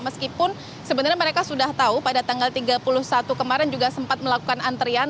meskipun sebenarnya mereka sudah tahu pada tanggal tiga puluh satu kemarin juga sempat melakukan antrian